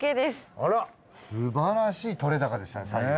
あらすばらしいとれ高でしたね最後。